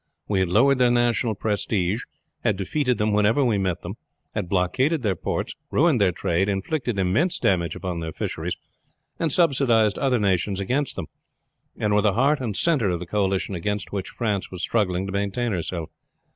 We had lowered their national prestige, had defeated them whenever we met them, had blockaded their ports, ruined their trade, inflicted immense damage upon their fisheries, and subsidized other nations against them, and were the heart and center of the coalition against which France was struggling to maintain herself.